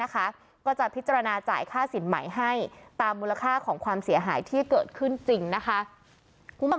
ก็จะพิจารณาจ่ายค่าสินใหม่ให้ตามมูลค่าของความเสียหายที่เกิดขึ้นจริงนะคะ